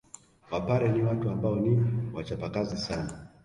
Wapare ni watu ambao ni wachapakazi sana